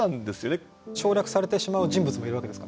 省略されてしまう人物もいるわけですからね。